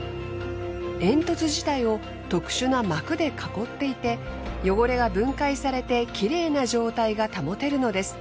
煙突自体を特殊な膜で囲っていて汚れが分解されてきれいな状態が保てるのです。